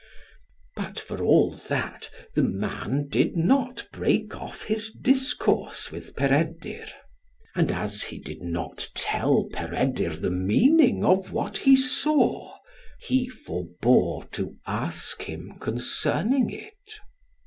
But for all that, the man did not break off his discourse with Peredur. And as he did not tell Peredur the meaning of what he saw, he forebore to ask him concerning it.